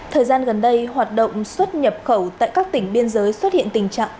thời gian gần đây hoạt động xuất nhập khẩu tại các tỉnh biên giới xuất hiện tình trạng